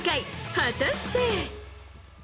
果たして。